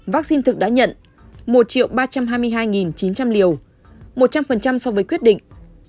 vaccine thực đã nhận một ba trăm hai mươi hai chín trăm linh liều một trăm linh so với quyết định